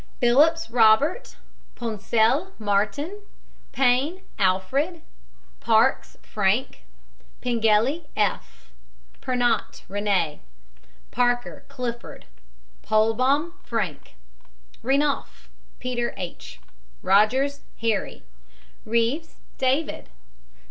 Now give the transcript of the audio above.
PHILLIPS, ROBERT. PONESELL, MARTIN. PAIN, DR. ALFRED. PARKES, FRANK. PENGELLY, F. PERNOT, RENE. PERUSCHITZ, REV. PARKER, CLIFFORD. PULBAUM, FRANK RENOUF, PETER H. ROGERS, HARRY. REEVES, DAVID.